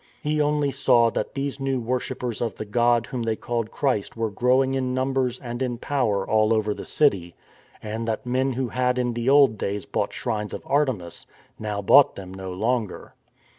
He only saw that these new worshippers of the god whom they called Christ were growing in numbers and in power all over the city, and that men who had in the old days bought shrines of Artemis now bought them no longer.